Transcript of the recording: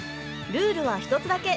ルールは１つだけ。